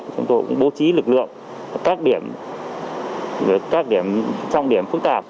chúng tôi cũng bố trí lực lượng các điểm trong điểm phức tạp